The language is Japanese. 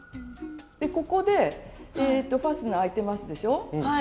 ここでファスナー開いてますでしょ。